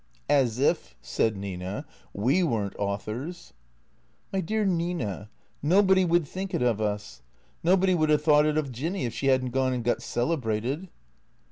" As if," said Nina, " ive were n't authors." " My dear Nina, nobody would think it of us. Nobody would have thought it of Jinny if she had n't gone and got celebrated."